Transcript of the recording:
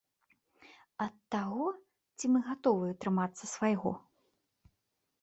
Ад таго, ці мы гатовыя трымацца свайго.